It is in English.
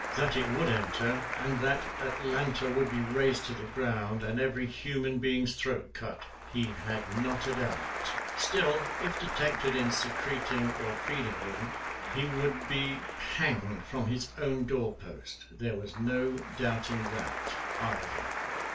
That it would enter, and that Atlanta would be razed to the ground, and every human being's throat cut, he had not a doubt. Still, if detected in secreting or feeding me, he would be hanged from his own door post. There was no doubting that, either.